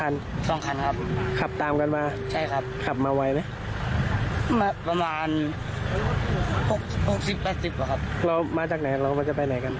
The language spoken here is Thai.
เรามาจากไหนเราจะไปไหนกัน